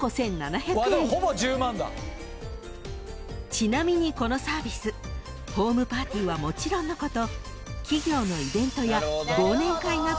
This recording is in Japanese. ［ちなみにこのサービスホームパーティーはもちろんのこと］